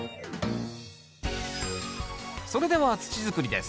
それでは土づくりです。